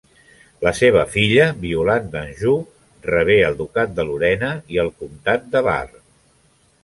La seva filla Violant d'Anjou rebé el ducat de Lorena i el comtat de Bar.